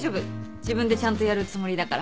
自分でちゃんとやるつもりだから。